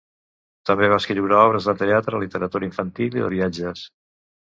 També va escriure obres de teatre, literatura infantil i de viatges.